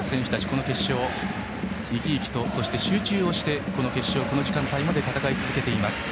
この決勝、生き生きと集中してこの決勝、この時間帯まで戦い続けています。